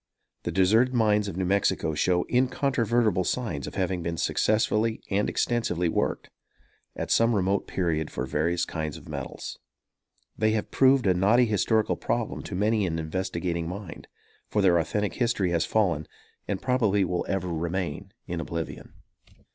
The deserted mines of New Mexico show incontrovertible signs of having been successfully and extensively worked, at some remote period, for various kinds of metals. They have proved a knotty historical problem to many an investigating mind; for their authentic history has fallen, and probably will ever remain in oblivion.